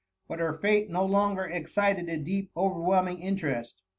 But her fate no longer excited a deep, overwhelming interest.